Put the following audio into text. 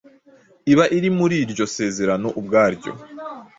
iba iri muri iryo sezerano ubwaryo.